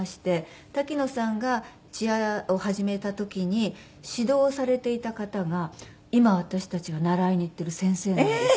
滝野さんがチアを始めた時に指導されていた方が今私たちが習いに行ってる先生なんです。